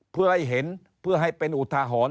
เพื่อให้เห็นเพื่อให้เป็นอุทาหรณ์